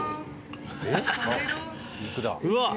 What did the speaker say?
うわっ！